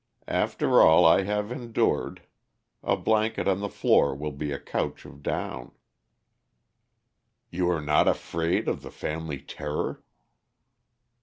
After all I have endured, a blanket on the floor will be a couch of down." "You are not afraid of the family terror?"